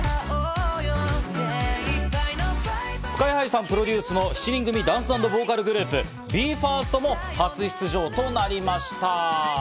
ＳＫＹ−ＨＩさんプロデュースの７人組ダンス＆ボーカルグループ・ＢＥ：ＦＩＲＳＴも初出場となりました。